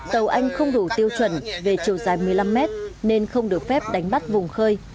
tàu anh không đủ tiêu chuẩn về chiều dài một mươi năm mét nên không được phép đánh bắt vùng khơi